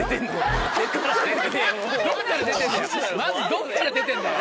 どっから出てんだよ